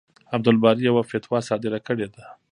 عبدالباري يوه فتوا صادره کړې ده.